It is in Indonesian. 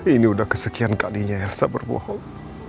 ini udah kesekian kalinya elsa berbohong